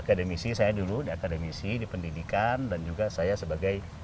akademisi saya dulu di akademisi di pendidikan dan juga saya sebagai